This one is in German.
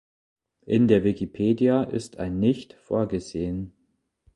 In der Wikipedia ist ein nicht vorgesehen.